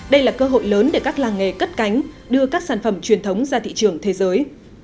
đây là cơ hội lớn để các làng nghề cất cánh đưa các sản phẩm truyền thống ra thị trường thế giới